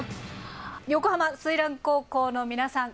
横浜翠嵐高校の皆さん